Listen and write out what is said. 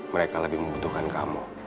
mereka lebih membutuhkan kamu